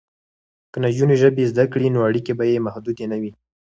که نجونې ژبې زده کړي نو اړیکې به یې محدودې نه وي.